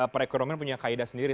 perekonomian punya kaida sendiri